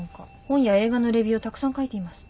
本や映画のレビューをたくさん書いています。